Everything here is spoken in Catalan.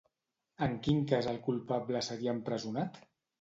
En quin cas el culpable seria empresonat?